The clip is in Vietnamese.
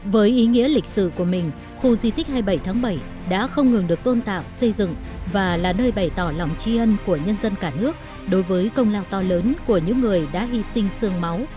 với ý nghĩa lịch sử của mình khu di tích hai mươi bảy tháng bảy đã không ngừng được tôn tạo xây dựng và là nơi bày tỏ lòng tri ân của nhân dân cả nước đối với công lao to lớn của những người đã hy sinh sương máu